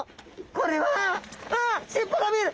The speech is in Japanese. これはわっ尻尾が見える！